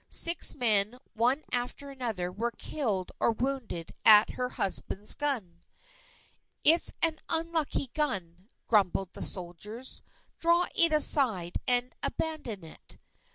Six men, one after another, were killed or wounded at her husband's gun. "It's an unlucky gun," grumbled the soldiers, "draw it aside and abandon it."